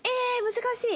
難しい！